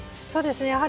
そうですね。